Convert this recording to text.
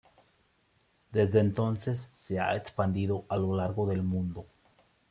Desde entonces, se ha expandido a lo largo del mundo.